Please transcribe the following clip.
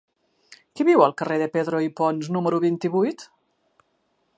Qui viu al carrer de Pedro i Pons número vint-i-vuit?